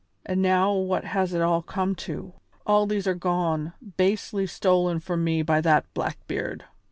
And now what has it all come to? All these are gone, basely stolen from me by that Blackbeard."